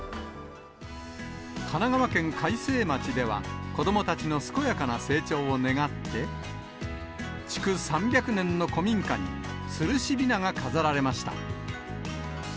神奈川県開成町では、子どもたちの健やかな成長を願って、築３００年の古民家に、つるし雛が飾られました。